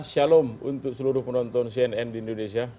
shalom untuk seluruh penonton cnn di indonesia